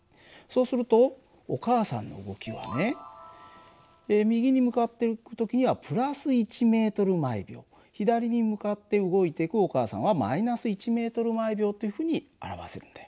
そうするとお母さんの動きはね右に向かってる時には＋１ｍ／ｓ左に向かって動いていくお母さんは−１ｍ／ｓっていうふうに表せるんだよ。